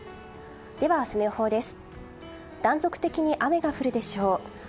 では、明日の予報です。